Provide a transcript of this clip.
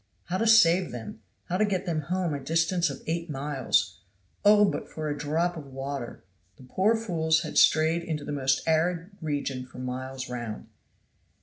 How to save them; how to get them home a distance of eight miles. "Oh! for a drop of water." The poor fools had strayed into the most arid region for miles round.